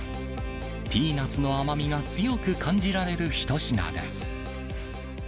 ピーナツの甘みが強く感じられる一品です。